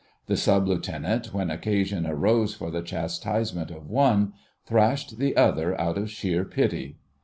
The Sub Lieutenant, when occasion arose for the chastisement of one, thrashed the other out of sheer pity.